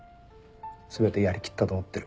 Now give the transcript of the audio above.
全てやりきったと思ってる。